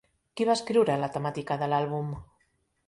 Qui va escriure la temàtica de l'àlbum?